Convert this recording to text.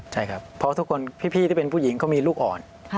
ใช่ครับเพราะทุกคนพี่ที่เป็นผู้หญิงเขามีลูกอ่อน